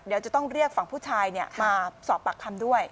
เดี๋ยวจะต้องเรียกฝั่งผู้ชายมาสอบปากคำด้วย